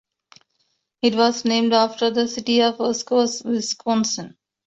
It was named after the city of Oshkosh, Wisconsin.